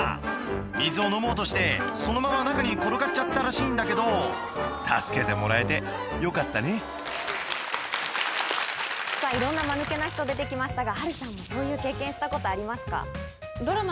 水を飲もうとしてそのまま中に転がっちゃったらしいんだけど助けてもらえてよかったねさぁいろんなマヌケな人出てきましたが。